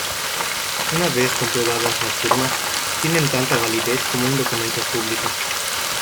Una vez comprobadas las firmas, tienen tanta validez como un documento público.